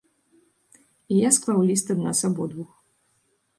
І я склаў ліст ад нас абодвух.